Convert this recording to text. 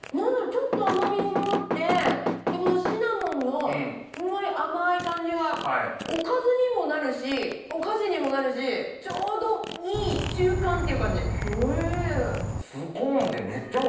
ちょっと甘みもあってこのシナモンのふんわり甘い感じがおかずにもなるしお菓子にもなるしちょうどいい中間っていう感じおいしいです。